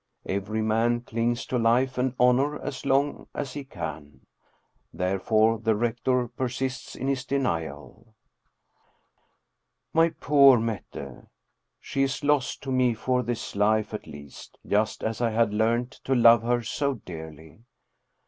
Every man clings to life and honor as long as he can. Therefore the rector persists in his denial. My poor, dear Mette ! She is lost to me for this life at least, just as I had learned to love her so dearly.